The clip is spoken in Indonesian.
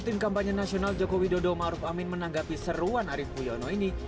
tim kampanye nasional jokowi dodo maruf amin menanggapi seruan arief puyono ini